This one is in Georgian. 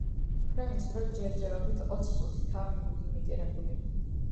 ფრენის დრო ჯერჯერობით ოცი წუთითაა ლიმიტირებული.